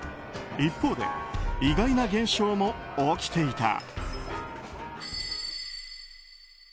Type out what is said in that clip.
一方で意外な現象も起きていた。